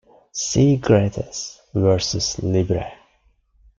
See "Gratis" versus "libre".